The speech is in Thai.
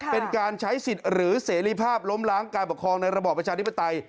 เป็นการใช้สิทธิ์หรือเสรีภาพล้มล้างการปกครองในระบอบประชาธิปไตย